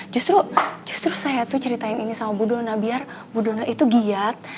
justru saya tuh ceritain ini sama bu dona biar bu dona itu giat